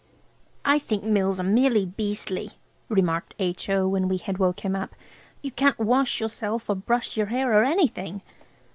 "I think mills are merely beastly," remarked H.O. when we had woke him up. "You can't wash yourself or brush your hair or anything."